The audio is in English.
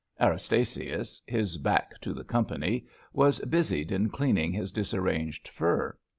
Erastasius, his back to the company, was busied in cleaning his disarranged fur.